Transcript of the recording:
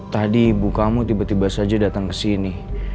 tadi ibu kamu tiba tiba saja datang ke sini